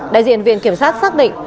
đại diện viện kiểm sát xác định